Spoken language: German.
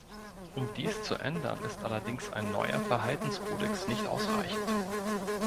Um dies zu ändern, ist allerdings ein neuer Verhaltenskodex nicht ausreichend.